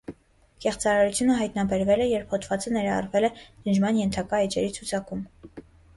Կեղծարարությունը հայտնաբերվել է, երբ հոդվածը ներառվել է ջնջման ենթակա էջերի ցուցակում։